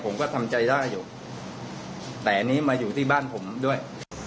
ผมก็ทำใจได้อยู่แต่อันนี้มาอยู่ที่บ้านผมด้วย